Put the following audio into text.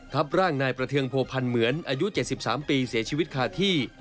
ทับร่างนายประเทืองโพพันธ์เหมือนอายุ๗๓ปีเสียชีวิตคาที่